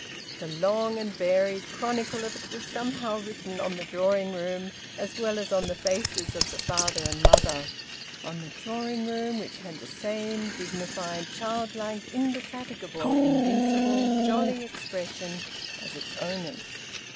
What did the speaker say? The long and varied chronicle of it was somehow written on the drawing room as well as on the faces of the father and mother on the drawing room which had the same dignified, childlike, indefatigable, invincible, jolly expression as its owners.